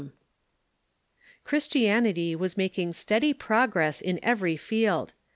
] Chkistiaxity was making steady progress in everj'^ field.